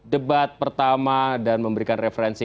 debat pertama dan memberikan referensi